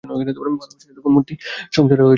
ভালোবাসার এরকম মূর্তি সংসারে তো কোনোদিন দেখি নি।